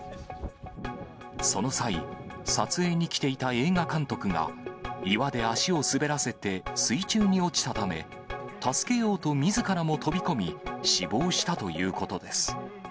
その際、撮影に来ていた映画監督が、岩出足を滑らせて水中に落ちたため、助けようとみずからも飛び込み、死亡したということです。